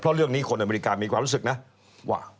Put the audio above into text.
เพราะเรื่องนี้คนอเมริกามีความรู้สึกนะว่า